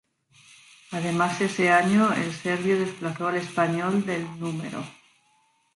Además, ese año el serbio desplazó al español del Núm.